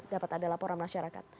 dapat ada laporan masyarakat